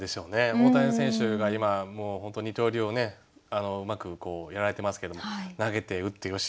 大谷選手が今本当二刀流をねうまくやられてますけども投げて打ってよしって